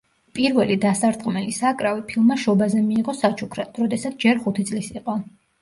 პირველი დასარტყმელი საკრავი ფილმა შობაზე მიიღო საჩუქრად, როდესაც ჯერ ხუთი წლის იყო.